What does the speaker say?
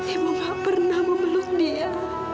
ibu gak pernah memeluk dia